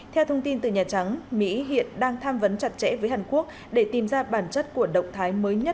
theo thông tin từ nhà trắng mỹ hiện đang tham vấn chặt chẽ với hàn quốc để tìm ra bản chất của động thái mới nhất